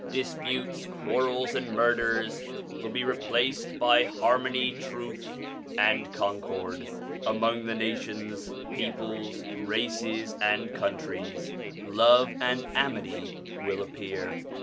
Disputes, quarrels, and murders will be replaced by harmony, truth, and concord; among the nations, peoples, races, and countries, love and amity will appear.